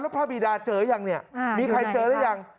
พระบีดาเจอหรือยังมีใครเจอหรือยัง